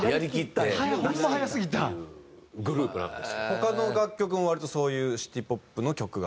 他の楽曲も割とそういうシティ・ポップの曲が多い？